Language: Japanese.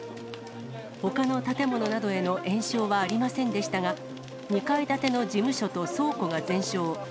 ほかの建物などへの延焼はありませんでしたが、２階建ての事務所と倉庫が全焼。